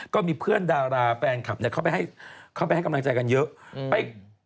ก็มีเพื่อนดาราแฟนคลับเข้าไปให้กำลังใจกันเยอะ